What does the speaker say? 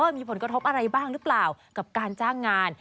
มีผลกระทบอะไรบ้างหรือเปล่ากับการจ้างงาน